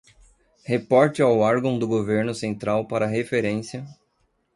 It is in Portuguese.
Reporte ao órgão do governo central para referência